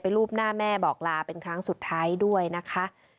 รูปหน้าแม่บอกลาเป็นครั้งสุดท้ายด้วยนะคะ